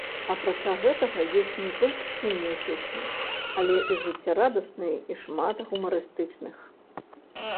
Апрача гэтага, ёсць не толькі сумныя песні, але і жыццярадасныя і шмат гумарыстычных.